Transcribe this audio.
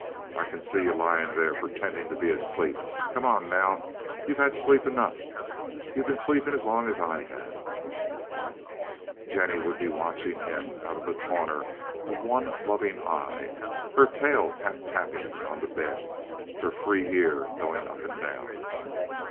I can see yuh, lyin' there, pertendin' to be asleep. Come on, now! You've had sleep enough. You've been sleepin' as long as I have." Jennie would be watching him out of the corner of one loving eye, her tail tap tapping on the bed, her free ear going up and down.